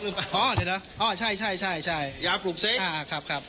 หรือเปล่าอ๋อเห็นหรออ๋อใช่ใช่ใช่ใช่ยาปลูกเซ็กอ่าครับครับ